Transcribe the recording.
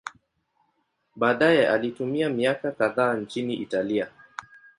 Baadaye alitumia miaka kadhaa nchini Italia.